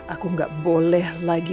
aku gak boleh lagi